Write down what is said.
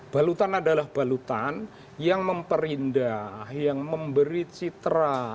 balutan adalah balutan yang memperindah yang memberi citra